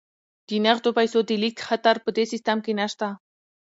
د نغدو پيسو د لیږد خطر په دې سیستم کې نشته.